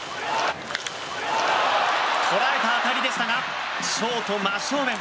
捉えた当たりでしたがショート真正面。